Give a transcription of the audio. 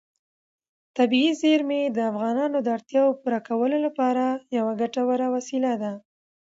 طبیعي زیرمې د افغانانو د اړتیاوو د پوره کولو لپاره یوه ګټوره وسیله ده.